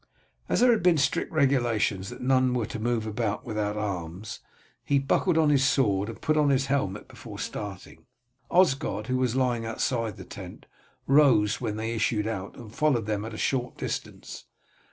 As there had been strict regulations that none were to move about without arms, he buckled on his sword and put on his helmet before starting. Osgod, who was lying outside the tent, rose when they issued out and followed them at a short distance.